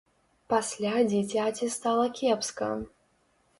Пасля дзіцяці стала кепска.